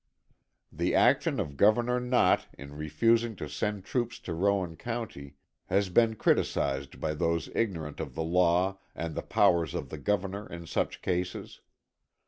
The action of Governor Knott in refusing to send troops to Rowan County has been criticised by those ignorant of the law and the powers of the Governor in such cases.